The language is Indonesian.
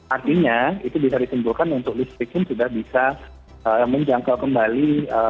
artinya itu bisa ditunjukkan untuk listrik pun sudah bisa menjangkau kembali